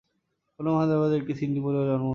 পুনম হায়দ্রাবাদের একটি সিন্ধি পরিবারে জন্মগ্রহণ করেন।